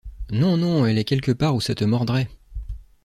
Non, non, elle est quelque part où ça te mordrait.